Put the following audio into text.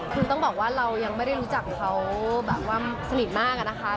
คือต้องบอกว่าเรายังไม่ได้รู้จักเขาแบบว่าสนิทมากอะนะคะ